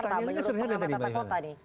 pertanyaannya sering ada di bawah ini